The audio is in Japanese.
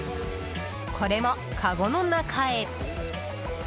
これもかごの中へ。